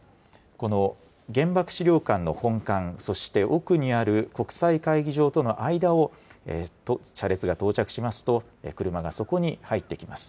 この原爆資料館の本館、そして奥にある国際会議場との間を車列が到着しますと、車がそこに入ってきます。